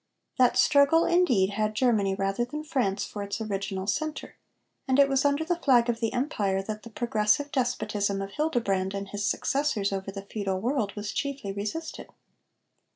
That struggle indeed had Germany rather than France for its original centre, and it was under the flag of the Empire that the progressive despotism of Hildebrand and his successors over the feudal world was chiefly resisted.